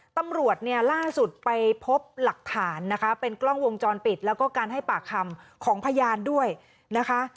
ตำรวจเนี่ยล่าสุดไปพบหลักฐานนะคะเป็นกล้องวงจรปิดแล้วก็การให้ปากคำของพยานด้วยนะคะ